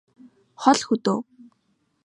хол хөдөө